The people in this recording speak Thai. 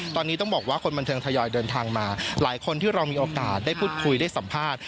ตอนนี้ต้องบอกว่าคนบันเทิงทยอยเดินทางมาหลายคนที่เรามีโอกาสได้พูดคุยได้สัมภาษณ์